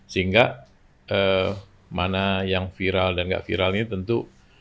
sehingga mana yang viral dan tidak viral ini tentu